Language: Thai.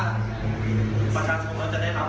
กำลังการป้องมันแบบ